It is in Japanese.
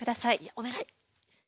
お願い。